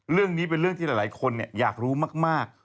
เรื่องนี้เป็นเรื่องที่หลายคนอยากรู้มาก